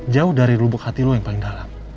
jauh dari lubuk hati lu yang paling dalam